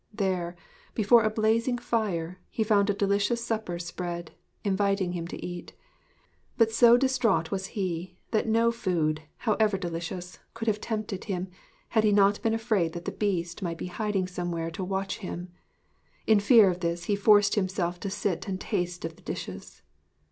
There, before a blazing fire, he found a delicious supper spread, inviting him to eat. But so distraught was he, that no food, however delicious, could have tempted him had he not been afraid that the Beast might be hiding somewhere to watch him. In fear of this he forced himself to sit and taste of the dishes.